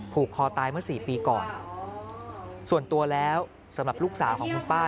ผูกคอตายเมื่อสี่ปีก่อนส่วนตัวแล้วสำหรับลูกสาวของคุณป้า